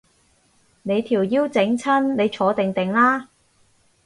你條腰整親，你坐定定啦